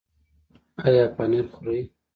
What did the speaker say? ایا پنیر خورئ؟